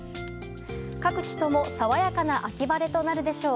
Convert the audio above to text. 各地とも爽やかな秋晴れとなるでしょう。